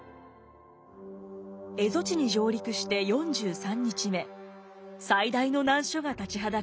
蝦夷地に上陸して４３日目最大の難所が立ちはだかります。